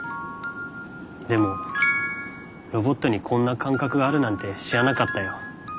でもロボットにこんな感覚があるなんて知らなかったよ。